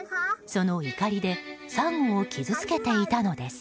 そのいかりでサンゴを傷つけていたのです。